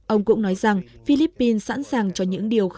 ông cũng nói rằng philippines sẵn sàng cho những điều